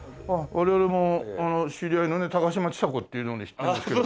我々も知り合いのね高嶋ちさ子っていうの知ってるんですけど。